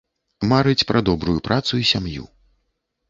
Марыць пра добрую працу і сям'ю.